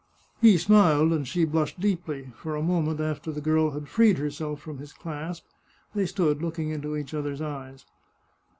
He smiled, and she blushed deeply; for a moment after the girl had freed herself from his clasp they stood looking into each other's eyes.